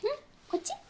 こっち？